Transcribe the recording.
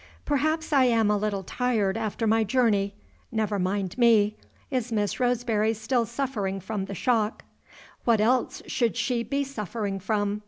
"Perhaps I am a little tired after my journey. Never mind me. Is Miss Roseberry still suffering from the shock?" "What else should she be suffering from?